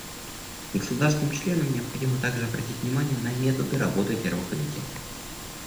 Государствам-членам необходимо также обратить внимание на методы работы Первого комитета.